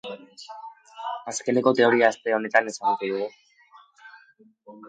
Azkeneko teoria aste honetan ezagutu dugu.